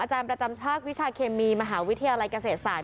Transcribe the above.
อาจารย์ประจำชาติวิชาเคมีมหาวิทยาลัยเกษตรศาสตร์